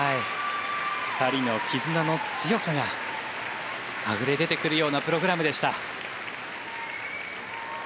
２人の絆の強さがあふれ出てくるようなプログラムでした。